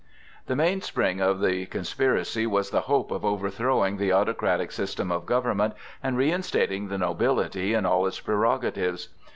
The mainspring of the conspiracy was the hope of overthrowing the autocratic system of government, and reinstating the nobility in all its prerogatives.